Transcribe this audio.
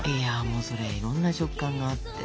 それいろんな食感があって。